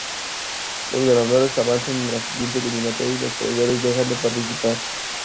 Los ganadores avanzan a la siguiente eliminatoria y los perdedores dejan de participar.